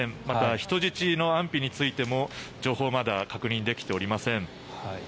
また、人質の安否についても情報はまだ確認できていません。